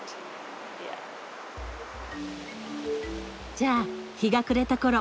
じゃあ日が暮れたころ